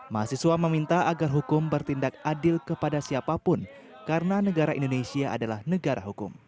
mahasiswa meminta agar hukum bertindak adil kepada siapapun karena negara indonesia adalah negara hukum